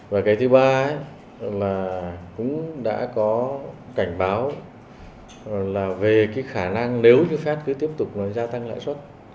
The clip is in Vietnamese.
và cái thứ ba là cũng đã có cảnh báo là về cái khả năng nếu như phép cứ tiếp tục nó gia tăng lãi suất